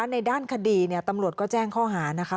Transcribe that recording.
ในด้านคดีตำรวจก็แจ้งข้อหานะคะ